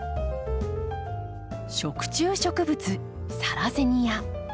食虫植物サラセニア。